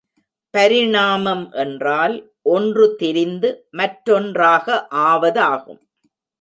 பரிணாமம் என்றால், ஒன்று திரிந்து மற்றொன் றாக ஆவதாகும்.